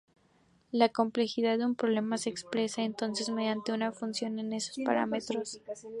La complejidad de un problema se expresa entonces mediante una función en esos parámetros.